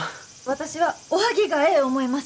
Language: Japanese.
私はおはぎがええ思います！